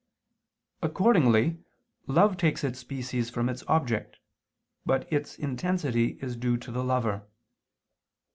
Accordingly love takes its species from its object, but its intensity is due to the lover.